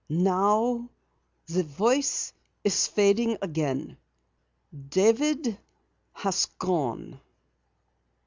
Now the voice is fading again. David has gone."